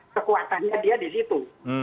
kekuatannya dia disitu